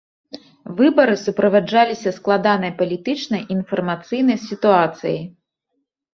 Выбары суправаджаліся складанай палітычнай і інфармацыйнай сітуацыяй.